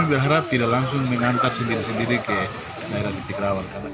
kami berharap tidak langsung mengantar sendiri sendiri ke daerah titik rawan